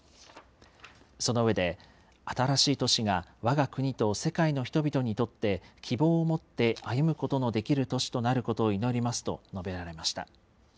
その上で、新しい年がわが国と世界の人々にとって、希望を持って歩むことのできる年となるよう祈りますと述べられました。